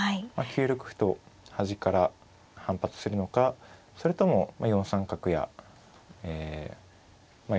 ９六歩と端から反発するのかそれとも４三角やえまあ